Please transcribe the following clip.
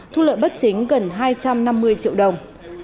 thu lợi bất chính gần hai trăm linh triệu đồng